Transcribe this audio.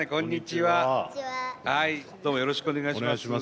はい、どうもよろしくお願いします。